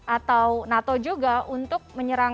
atau nato juga untuk menyerang